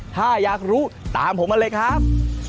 ถ้าอยากรู้ตามผมมาเลยครับ